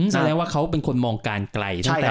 แสดงว่าเขาเป็นคนมองการไกล